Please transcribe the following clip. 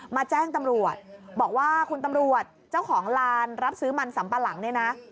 แจ้งตำรวจบอกว่าคุณตำรวจเจ้าของลานรับซื้อมันสัมปะหลังเนี่ยนะ